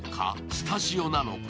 スタジオなのか？